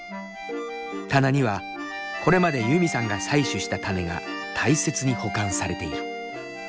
棚にはこれまでユミさんが採取した種が大切に保管されている。